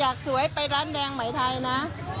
อยากสวยไปร้านแดงใหม่ไทยนะ